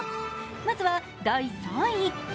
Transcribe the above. まずは第３位。